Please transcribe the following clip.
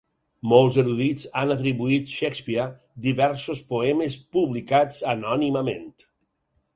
Molts erudits han atribuït Shakespeare diversos poemes publicats anònimament.